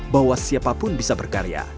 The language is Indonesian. bahwa siapapun bisa berkarya